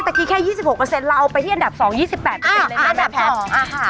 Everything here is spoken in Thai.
เมื่อกี้แค่ยี่สิบหกเปอร์เซ็นต์เราเอาไปที่อันดับสองยี่สิบแปดเปอร์เซ็นต์อ่าอันดับสองอ่ะฮะ